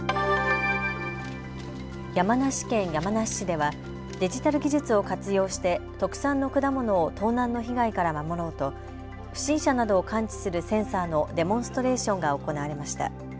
山梨県山梨市ではデジタル技術を活用して特産の果物を盗難の被害から守ろうと不審者などを感知するセンサーのデモンストレーションが行われました。